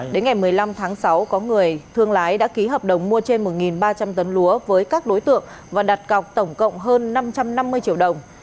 đến ngày một mươi năm tháng sáu có người thương lái đã ký hợp đồng mua trên một ba trăm linh tấn lúa với các đối tượng và đặt cọc tổng cộng hơn năm trăm năm mươi triệu đồng